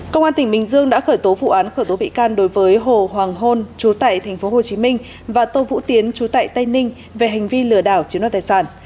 công an tỉnh bình dương đã khởi tố vụ án khởi tố bị can đối với hồ hoàng hôn chú tại tp hcm và tô vũ tiến chú tại tây ninh về hành vi lừa đảo chiếm đoạt tài sản